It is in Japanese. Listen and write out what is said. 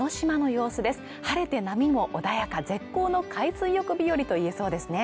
晴れて波も穏やか絶好の海水浴日和といえそうですね